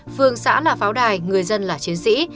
phường xã là pháo đài người dân là chiến sĩ